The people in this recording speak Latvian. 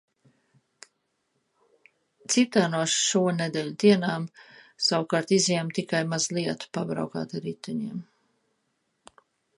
Citā no šo nedēļu dienām, savukārt, izejam tikai mazliet pabraukāt ar riteņiem.